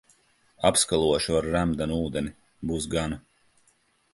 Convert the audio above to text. Apskalošu ar remdenu ūdeni, būs gana.